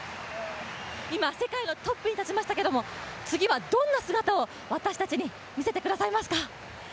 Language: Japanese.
今、世界のトップに立ちましたけれども次はどんな姿を私たちに見せてくださいますか？